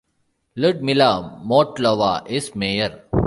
Ludmila Mottlova is mayor.